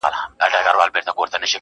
يو زرو اوه واري مي ښكل كړلې,